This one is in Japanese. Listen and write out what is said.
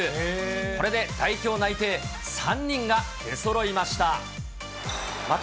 これで代表内定３人が出そろいました。